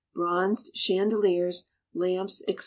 Bronzed Chandeliers, Lamps, &c.